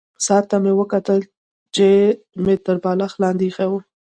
ساعت ته مې وکتل چې مې تر بالښت لاندې ایښی وو.